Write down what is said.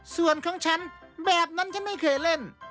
ส่วนของฉันแบบนั้นฉันไม่เคยเล่น